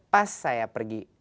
pas saya pergi